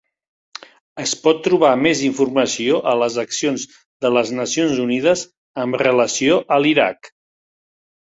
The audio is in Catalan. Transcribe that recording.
Es pot trobar mes informació a les accions de les Nacions Unides amb relació a l'Iraq.